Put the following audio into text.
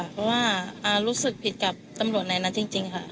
เพราะว่ารู้สึกผิดกับตำรวจในนั้นจริงค่ะ